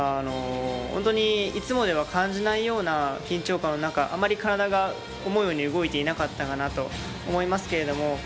本当にいつもでは感じないような緊張感の中、あまり体が思うように動いていなかったかなと思いますけれども。